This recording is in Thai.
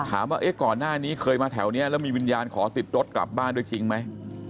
ถามว่าก่อนหน้านี้เคยมาแถวนี้แล้วมีวิญญาณขอติดรถกลับบ้านด้วยจริงไหม